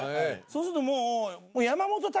そうするともう。